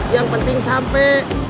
yang penting sampai